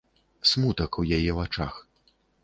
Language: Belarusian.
Смутак у яе вачах.